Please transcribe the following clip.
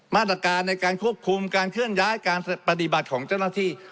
มาตรการในการควบคุมการเคลื่อนย้ายการปฏิบัติของเจ้าหน้าที่